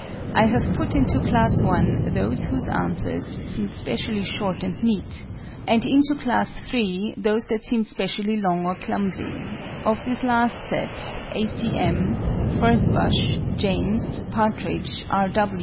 I have put into Class I. those whose answers seemed specially short and neat, and into Class III. those that seemed specially long or clumsy. Of this last set, A. C. M., FURZE BUSH, JAMES, PARTRIDGE, R.